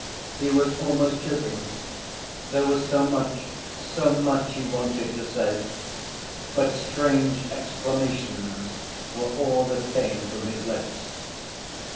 He was almost choking. There was so much, so much he wanted to say, but strange exclamations were all that came from his lips.